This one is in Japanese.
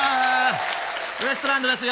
ウエストランドです。